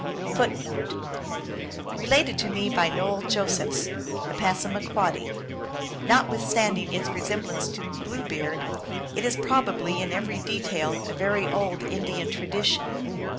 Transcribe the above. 1 1 Related to me by Noel Josephs, a Passamaquoddy. Notwith standing its resemblance to Blue Beard, it is probably in every detail a very old Indian tradition.